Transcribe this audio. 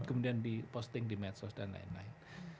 kemudian di posting di medsos dan lain lain